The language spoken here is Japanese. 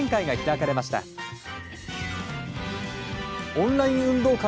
オンライン運動会。